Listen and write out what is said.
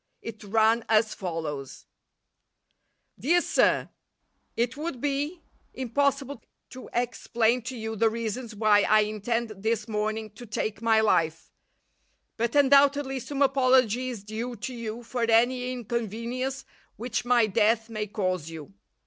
It ran as follows: "DEAR SIR, It would be impossible to explain to you the reasons why I intend this morning to take my life, but undoubtedly some apology is due to you for any inconvenience which my death may cause you.